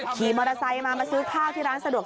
ขี่มอเตอร์ไซค์มามาซื้อข้าวที่ร้านสะดวก